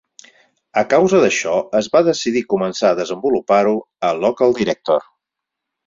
A causa d'això, es va decidir començar a desenvolupar-ho a LocalDirector.